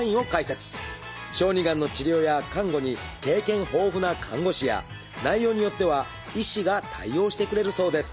小児がんの治療や看護に経験豊富な看護師や内容によっては医師が対応してくれるそうです。